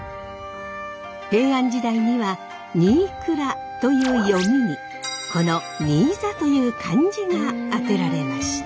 平安時代には「にいくら」という読みにこの「新座」という漢字が当てられました。